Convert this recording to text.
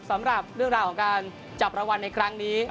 สำหรับเรื่องราวของการจับรางวัลในครั้งนี้